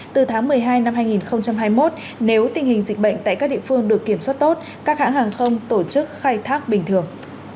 từ tháng một mươi hai năm hai nghìn hai mươi một nếu tình hình dịch bệnh tại các địa phương được kiểm soát tốt các hãng hàng không tổ chức khai thác bình thường